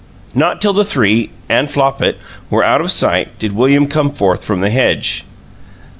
Not till the three (and Flopit) were out of sight did William come forth from the hedge.